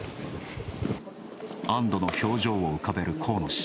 安どの表情を浮かべる河野氏。